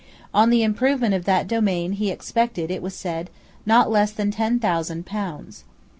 On the improvement of that domain he expended, it was said, not less than ten thousand pounds.